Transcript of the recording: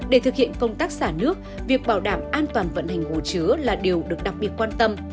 để thực hiện công tác xả nước việc bảo đảm an toàn vận hành hồ chứa là điều được đặc biệt quan tâm